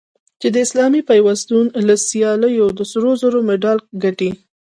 چې د اسلامي پیوستون له سیالیو د سرو زرو مډال ګټي